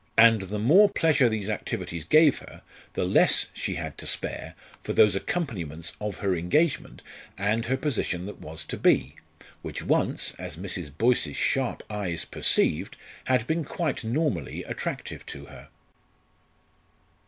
And the more pleasure these activities gave her, the less she had to spare for those accompaniments of her engagement and her position that was to be, which once, as Mrs. Boyce's sharp eyes perceived, had been quite normally attractive to her.